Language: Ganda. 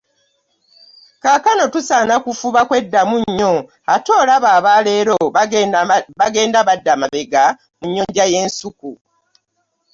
Kaakano tusaana kufuba kweddamu nnyo, ate olaba aba leero bagenda badda mabega mu nnyonja y'ensuku.